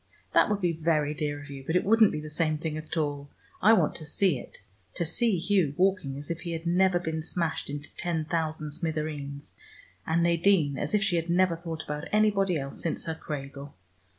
"That would be very dear of you, but it wouldn't be the same thing at all. I want to see it, to see Hugh walking as if he had never been smashed into ten thousand smithereens, and Nadine, as if she had never thought about anybody else since her cradle.